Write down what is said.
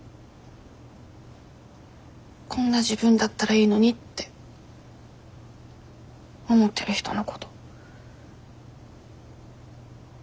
「こんな自分だったらいいのに」って思ってる人のこと。